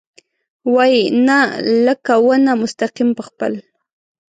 وايي ، نه ، لکه ونه مستقیم په خپل ...